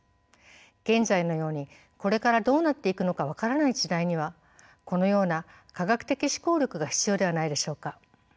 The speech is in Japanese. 現在のようにこれからどうなっていくのか分からない時代にはこのような科学的思考力が必要ではないでしょうか？